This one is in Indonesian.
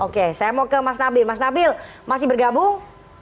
oke saya mau ke mas nabil mas nabil masih bergabung